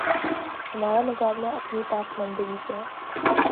ہمارا مقابلہ اپنی پسماندگی سے ہے۔